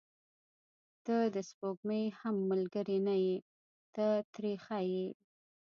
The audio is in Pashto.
• ته د سپوږمۍ هم ملګرې نه یې، ته ترې ښه یې.